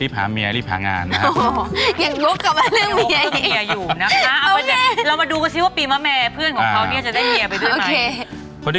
เพราะมันกลางมาหมดอ่ะ